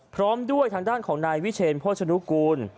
พร้อมด้วยทางด้านของนายวิเชนโภชนุกูล